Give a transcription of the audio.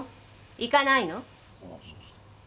行かないの？